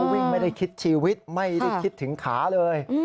วิ่งไม่ได้คิดชีวิตไม่ได้คิดถึงขาเลย